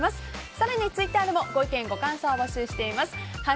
更にツイッターでもご意見、ご感想を募集しています。